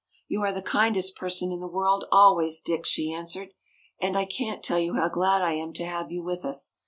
"You are the kindest person in the world always, Dick," she answered. "And I can't tell you how glad I am to have you with us!